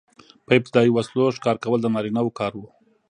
په ابتدايي وسلو ښکار کول د نارینه وو کار و.